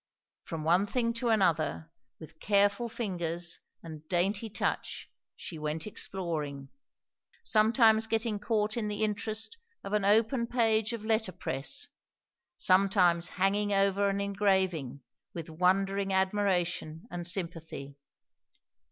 From one thing to another, with careful fingers and dainty touch she went exploring; sometimes getting caught in the interest of an open page of letterpress, sometimes hanging over an engraving with wondering admiration and sympathy.